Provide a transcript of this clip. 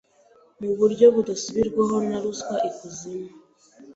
muburyo budasubirwaho na ruswa ikuzimu